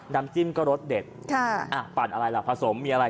น้ำจิ้มก็รสเด็ดปั่นอะไรล่ะผสมมีอะไร